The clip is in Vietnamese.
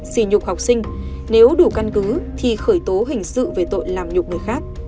xì nhục học sinh nếu đủ căn cứ thì khởi tố hình sự về tội làm nhục người khác